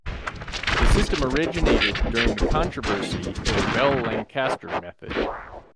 The system originated during the controversy over Bell-Lancaster method.